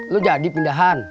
lu jadi pindahan